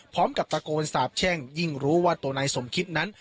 พร้อมกับตะโกนสาบแช่งยิ่งรู้ว่าตัวนายสมคิดนั้น